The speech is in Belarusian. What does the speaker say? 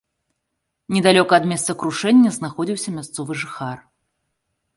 Недалёка ад месца крушэння знаходзіўся мясцовы жыхар.